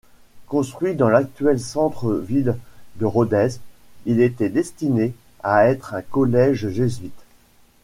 Construit dans l'actuel centre-ville de Rodez, il était destiné à être un collège jésuites.